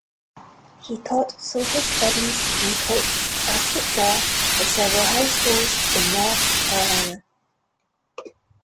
He taught social studies and coached basketball at several high schools in North Carolina.